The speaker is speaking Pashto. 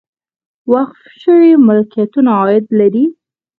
وقف شوي ملکیتونه عاید لري